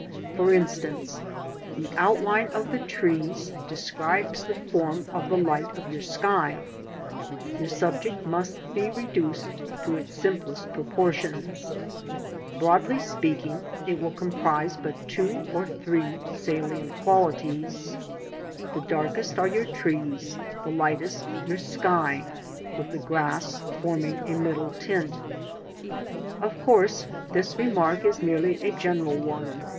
For instance the outline of the trees describes the form of the light of your sky. Your subject must be reduced to its simplest proportions. Broadly speaking, it will comprise but two or three salient quantities. The darkest are your trees, the lightest your sky, with the grass forming a middle tint. Of course this remark is merely a general one.